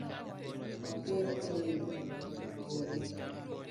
Apuoyo onindo e gono